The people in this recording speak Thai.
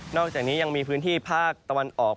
อกจากนี้ยังมีพื้นที่ภาคตะวันออก